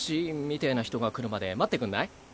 みてぇな人が来るまで待ってくんない？